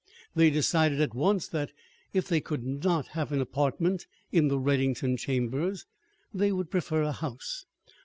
They decided at once that, if they could not have an apartment in the Reddington Chambers, they would prefer a house.